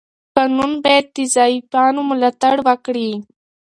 قانون باید د ضعیفانو ملاتړ وکړي.